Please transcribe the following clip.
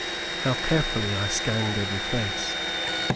How carefully I scanned every face!